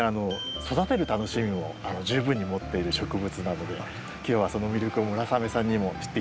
育てる楽しみも十分に持っている植物なので今日はその魅力を村雨さんにも知って頂こうと思います。